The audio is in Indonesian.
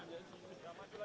mati bu tempura